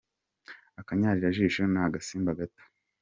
Akanyarirashijo nagasimba gato.